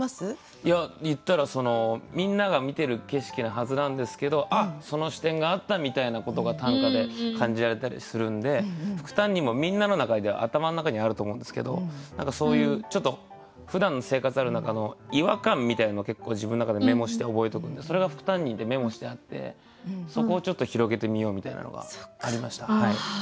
いや言ったらそのみんなが見てる景色なはずなんですけど「あっその視点があった」みたいなことが短歌で感じられたりするんで副担任もみんなの中では頭の中にあると思うんですけど何かそういうちょっとふだんの生活がある中の違和感みたいなのを結構自分の中でメモして覚えとくんでそれが副担任ってメモしてあってそこをちょっと広げてみようみたいなのがありました。